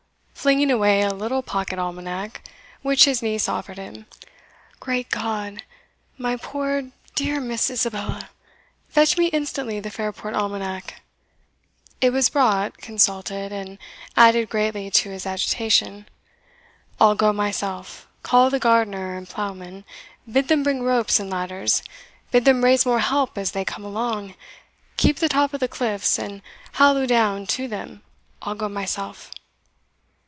flinging away a little pocket almanac which his niece offered him. "Great God! my poor dear Miss Isabella! Fetch me instantly the Fairport Almanac." It was brought, consulted, and added greatly to his agitation. "I'll go myself call the gardener and ploughman bid them bring ropes and ladders bid them raise more help as they come along keep the top of the cliffs, and halloo down to them I'll go myself."